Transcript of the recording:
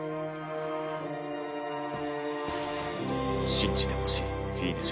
信じてほしいフィーネ嬢。